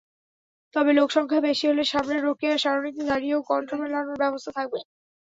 তবে লোকসংখ্যা বেশি হলে সামনের রোকেয়া সরণিতে দাঁড়িয়েও কণ্ঠ মেলানোর ব্যবস্থা থাকবে।